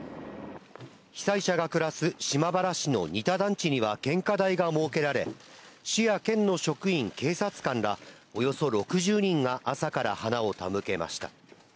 被災者が暮らす島原市の仁田団地には献花台が設けられ、市や県の職員、警察官らおよそ６０人が朝から花を手向けました。